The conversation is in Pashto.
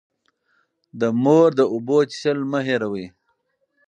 د مور د اوبو څښل مه هېروئ.